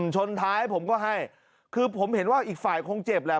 ชนท้ายผมก็ให้คือผมเห็นว่าอีกฝ่ายคงเจ็บแหละ